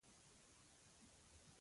هغوی د میخي لیک د نښو تمرینونه کول.